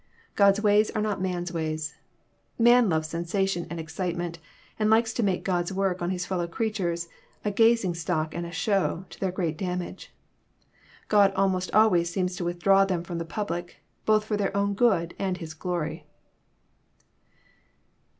God's ways are not man's ways. Man loves sensation and excitement, and likes to make God's work on his fellow creatures a gazing stock and a show, to their great damage. God almost always seems to withdraw them firom the public, both for their own good and His glory.